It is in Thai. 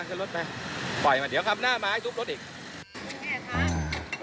ไหวเดี๋ยวครับหน้าไม้ทุบลดอีก